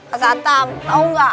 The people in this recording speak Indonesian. mas satam tau gak